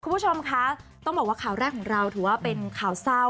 คุณผู้ชมคะต้องบอกว่าข่าวแรกของเราถือว่าเป็นข่าวเศร้า